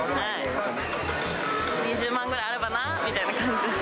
２０万ぐらいあればなっていう感じです。